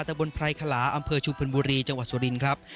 ตะบนไพรขลาอำเภอชุมพลบุรีจังหวัดสุรินครับ